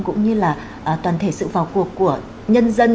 cũng như là toàn thể sự vào cuộc của nhân dân